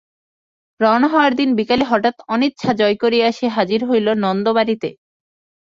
রওনা হওয়ার দিন বিকালে হঠাৎ অনিচ্ছা জয় করিয়া সে হাজির হইল নন্দও বাড়িতে।